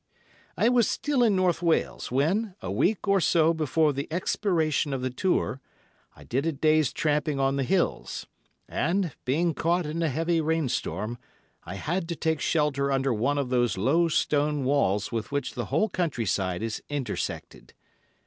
I was still in North Wales, when, a week or so before the expiration of the tour, I did a day's tramping on the hills, and, being caught in a heavy rain storm, I had to take shelter under one of those low stone walls with which the whole country side is intersected.